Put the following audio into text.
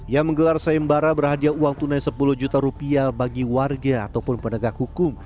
yang menggelar sayembara berhadiah uang tunai sepuluh juta rupiah bagi warga ataupun penegak hukum